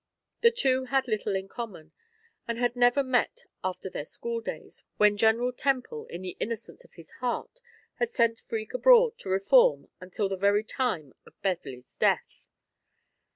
The two had little in common, and had never met after their school days, when General Temple, in the innocence of his heart, had sent Freke abroad, to reform, until the very time of Beverley's death.